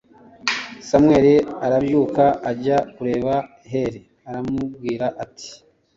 samweli arabyuka ajya kureba heli, aramubwira ati